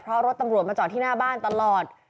เพราะรถตำรวจมาจอดที่หน้าบ้านตลอด